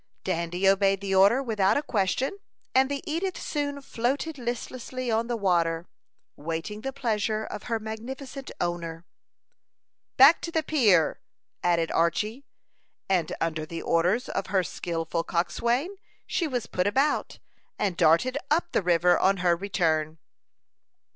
Dandy obeyed the order without a question, and the Edith soon floated listlessly on the water, waiting the pleasure of her magnificent owner. "Back to the pier," added Archy; and under the orders of her skilful coxswain, she was put about, and darted up the river on her return.